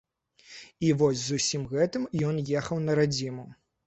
І вось з усім гэтым ён ехаў на радзіму.